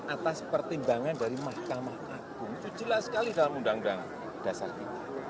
atas pertimbangan dari mahkamah agung itu jelas sekali dalam undang undang dasar kita